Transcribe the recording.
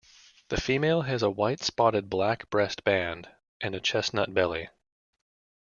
The female has a white-spotted black breast band and a chestnut belly.